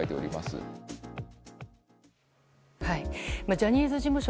ジャニーズ事務所